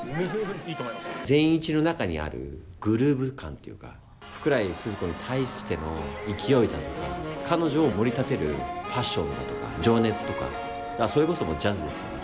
善一の中にあるグルーヴ感というか福来スズ子に対しての勢いだとか彼女をもり立てるパッションだとか情熱とかそれこそジャズですよね